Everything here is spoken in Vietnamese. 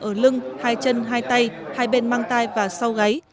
ở lưng hai chân hai tay hai bên mang tay và sau gáy